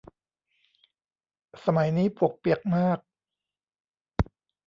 สมัยนี้ปวกเปียกมาก